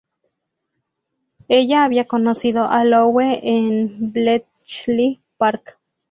Ella había conocido a Loewe en Bletchley Park.